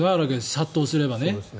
殺到すればね。